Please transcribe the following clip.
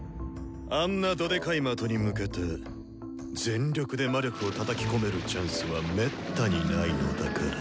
あんなどデカい的に向けて全力で魔力をたたき込めるチャンスはめったにないのだから。